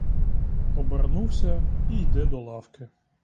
Обернувся і йде до лавки.